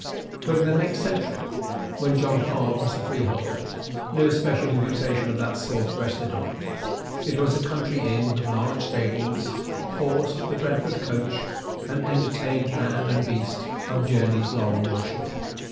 But in the next century, when John Clarke was the Freeholder, no special imputation of that sort rested on it: it was a country inn with large stables, horsed the Brentford coach, and entertained man and beast on journeys long or short.